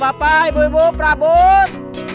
bapak bapak ibu ibu prabot